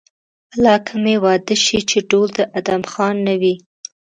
والله که مې واده شي چې ډول د ادم خان نه وي.